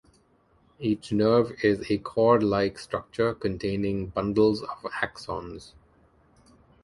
Each nerve is a cordlike structure containing bundles of axons.